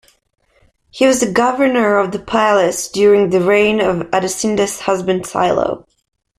He was the governor of the palace during the reign of Adosinda's husband Silo.